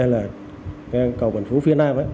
là cầu bình phú phía nam